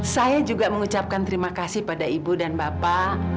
saya juga mengucapkan terima kasih pada ibu dan bapak